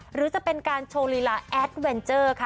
หรือจะเป็นการโชว์ลีลาแอดเวนเจอร์ค่ะ